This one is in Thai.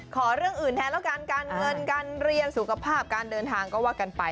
ขอเรื่องอื่นแทนแล้วกันการเงินการเรียนสุขภาพการเดินทางก็ว่ากันไป